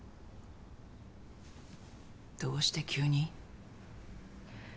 どうして急に？